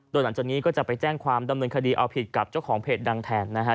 โดยหลังจากนี้ก็จะไปแจ้งความดำเนินคดีเอาผิดกับเจ้าของเพจดังแทนนะฮะ